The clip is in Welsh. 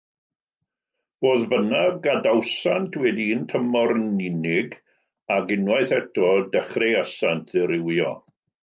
Fodd bynnag, gadawsant wedi un tymor yn unig ac unwaith eto dechreuasant ddirywio.